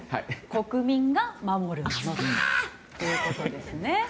国民が守るものということですね。